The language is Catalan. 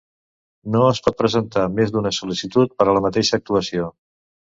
No es pot presentar més d'una sol·licitud per a la mateixa actuació.